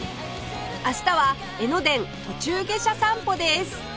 明日は江ノ電途中下車散歩です